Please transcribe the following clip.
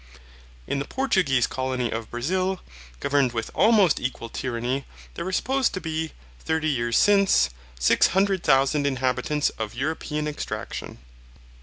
In the Portuguese colony of Brazil, governed with almost equal tyranny, there were supposed to be, thirty years since, six hundred thousand inhabitants of European extraction.